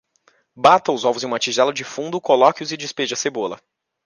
Bata os ovos em uma tigela de fundo, coloque-os e despeje a cebola.